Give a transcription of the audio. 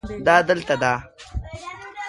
دا دلته ده